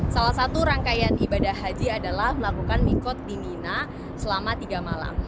salah satu rangkaian ibadah haji adalah melakukan mikot di mina selama tiga malam